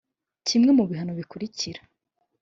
kimwe mu ibihano bikurikira